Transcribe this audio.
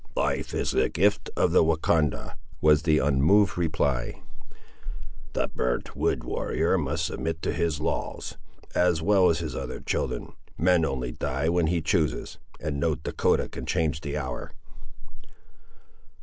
"Life is the gift of the Wahcondah," was the unmoved reply. "The burnt wood warrior must submit to his laws, as well as his other children. Men only die when he chooses; and no Dahcotah can change the hour."